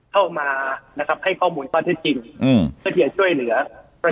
เข้ามานะครับให้ข้อมูลข้อเท็จจริงเพื่อที่จะช่วยเหลือ